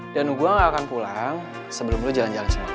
dan gua gak akan pulang sebelum lu jalan jalan sama orang